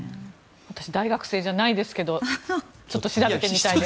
私、大学生じゃないですがちょっと調べてみたいです。